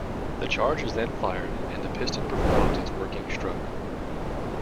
The charge is then fired and the piston performs its working stroke.